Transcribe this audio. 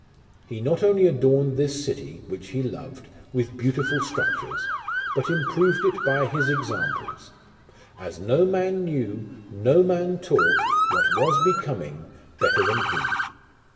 He not only adorned this city, Which he loved, With beautiful structures, But improved it by his example ; As no man knew, no man taught, what was becoming Better than he.